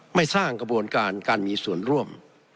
ไม่สร้างกระบวนการการมีส่วนร่วม